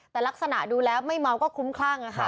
แต่ลักษณะดูแลไม่เมาท์ก็คุ้มคร่างอะค่ะ